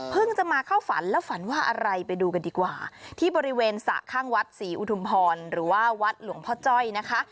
จะมาเข้าฝันแล้วฝันว่าอะไรไปดูกันดีกว่าที่บริเวณสระข้างวัดศรีอุทุมพรหรือว่าวัดหลวงพ่อจ้อยนะคะ